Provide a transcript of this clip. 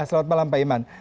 selamat malam pak iman